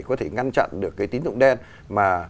có thể ngăn chặn được cái tín dụng đen mà